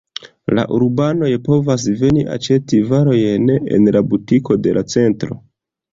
La urbanoj povas veni aĉeti varojn en la butiko de la centro.